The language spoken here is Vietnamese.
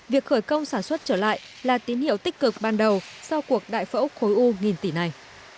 việc khởi công sản xuất trở lại là tín hiệu tích cực ban đầu sau cuộc đại phẫu khối u nghìn tỷ này